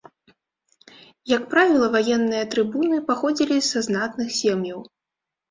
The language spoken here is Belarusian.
Як правіла, ваенныя трыбуны паходзілі са знатных сем'яў.